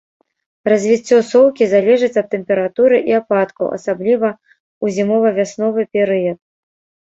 Развіццё соўкі залежыць ад тэмпературы і ападкаў, асабліва ў зімова-вясновы перыяд.